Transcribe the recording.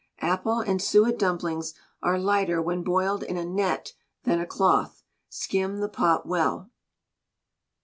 Apple and suet dumplings are lighter when boiled in a net than a cloth. Skim the pot well.